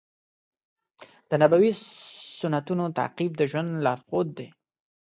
د نبوي سنتونو تعقیب د ژوند لارښود دی.